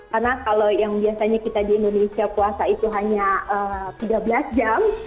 karena kalau yang biasanya kita di indonesia puasa itu hanya tiga belas jam